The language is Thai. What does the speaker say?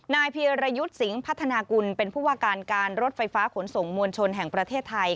เพียรยุทธ์สิงห์พัฒนากุลเป็นผู้ว่าการการรถไฟฟ้าขนส่งมวลชนแห่งประเทศไทย